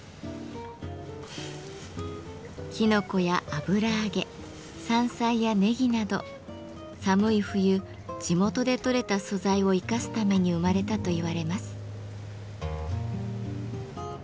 きのこや油揚げ山菜やネギなど寒い冬地元で採れた素材を生かすために生まれたといわれます。